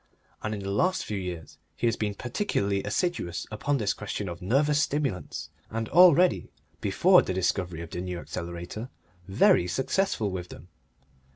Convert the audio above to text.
And in the last few years he has been particularly assiduous upon this question of nervous stimulants, and already, before the discovery of the New Accelerator, very successful with them.